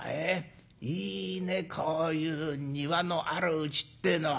いいねこういう庭のあるうちってえのは。